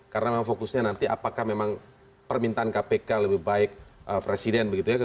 karena memang fokusnya nanti apakah memang permintaan kpk lebih baik presiden begitu ya